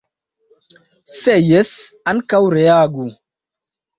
Se jes, ankaŭ reagu.